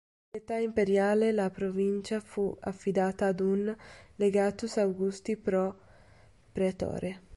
In età imperiale, la provincia fu affidata ad un "legatus Augusti pro praetore".